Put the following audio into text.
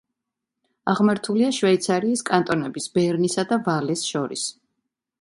აღმართულია შვეიცარიის კანტონების ბერნისა და ვალეს შორის.